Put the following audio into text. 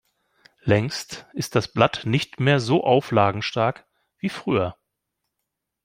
Längst ist das Blatt nicht mehr so auflagenstark wie früher.